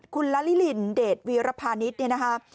คุณละลิลินเดทวิรพานิสเนี่ยนะฮะ